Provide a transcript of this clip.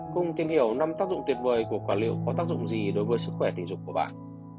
cùng tìm hiểu năm tác dụng tuyệt vời của quả liệu có tác dụng gì đối với sức khỏe thể dục của bạn